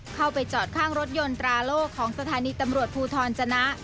เข้าไปจอดข้างรถยนต์ตราโล่ของสถานีตำรวจภูทรจนะ